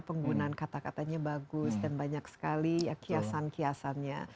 penggunaan kata katanya bagus dan banyak sekali ya kiasan kiasannya